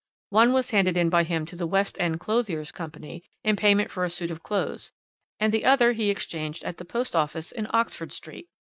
One was handed in by him to the West End Clothiers Company, in payment for a suit of clothes, and the other he changed at the Post Office in Oxford Street.